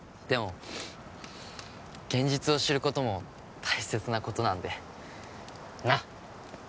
でも現実を知ることも大切なことなのでなっ